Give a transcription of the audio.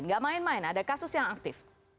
gak main main ada kasus yang aktif